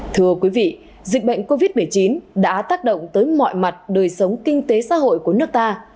thưa quý vị dịch bệnh covid một mươi chín đã tác động tới mọi mặt đời sống kinh tế xã hội của nước ta